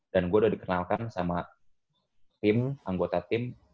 dan gue udah dikenalkan sama tim anggota tim